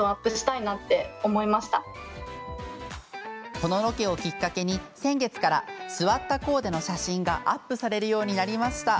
このロケをきっかけに先月から座ったコーデの写真がアップされるようになりました。